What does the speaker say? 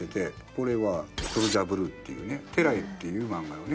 これはソルジャー・ブルーっていうね『地球へ』っていう漫画のね。